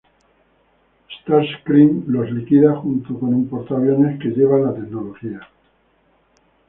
Starscream los líquida junto con un portaaviones que lleva la tecnología.